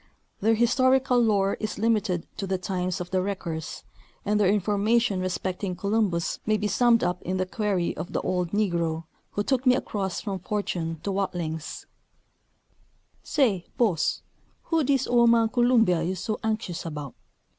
Their historical lore is limited to the times of the wreckers, and their information respecting Columbus may be summed up in the query of the old negro who took me across from Fortune to Watlings :" Say, boss, who is dis ole man Columbia you is so anxshus about?